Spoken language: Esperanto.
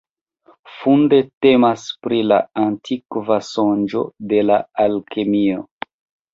Funde temas pri la antikva sonĝo de la alkemio.